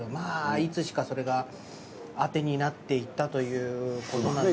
あいつしかそれがアテになっていったということ。